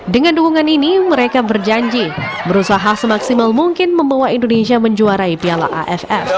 dengan dukungan ini mereka berjanji berusaha semaksimal mungkin membawa indonesia menjuarai piala aff